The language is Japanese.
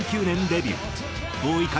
８９年デビュー。